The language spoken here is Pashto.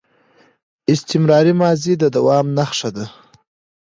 استمراري ماضي د دوام نخښه ده.